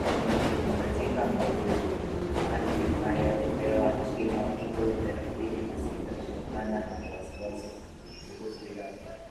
katika mauaji hayo hupewa heshima kuu Thelathini na sita Kutokana na wasiwasi kuhusu idadi